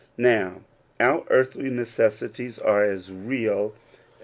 out Now, our earthly necessities are as real as